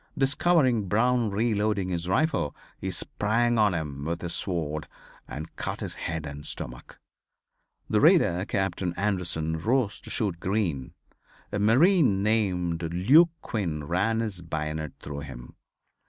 Discovering Brown reloading his rifle he sprang on him with his sword and cut his head and stomach. The raider Captain Anderson rose to shoot Green. A marine named Luke Quinn ran his bayonet through him.